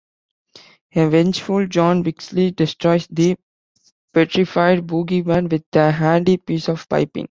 A vengeful Jon viciously destroys the petrified boogeyman with a handy piece of piping.